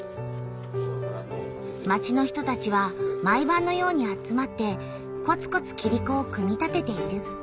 町の人たちは毎ばんのように集まってこつこつキリコを組み立てている。